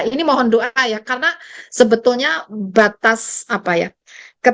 ini mohon doa ya karena sebetulnya batas apa ya